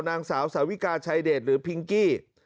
นางสาวสาวิกาชายเดชหรือพิงกี้